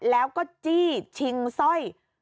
แล้วก็จี้ชิงสร้อย